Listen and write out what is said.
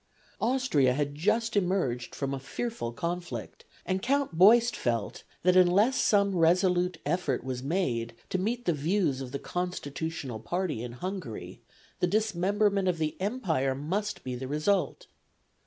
Austria had just emerged from a fearful conflict, and Count Beust felt that unless some resolute effort was made to meet the views of the constitutional party in Hungary, the dismemberment of the empire must be the result.